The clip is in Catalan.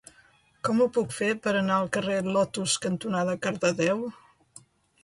Com ho puc fer per anar al carrer Lotus cantonada Cardedeu?